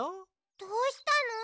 どうしたの？